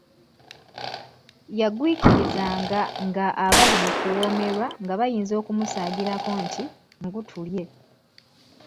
Yagwikirizanga nga abali mu kuwoomerwa nga bayinza okumusaagirako nti, "jjangu tulye ".